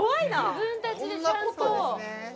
自分たちでちゃんと！